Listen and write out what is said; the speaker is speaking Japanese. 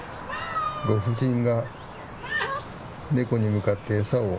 ご婦人がネコに向かって餌を。